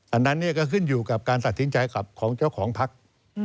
อันนั้นก็ขึ้นอยู่กับการตัดสินใจขับของเจ้าของพัก